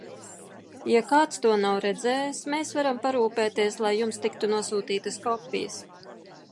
Ja kāds to nav redzējis, mēs varam parūpēties, lai jums tiktu nosūtītas kopijas.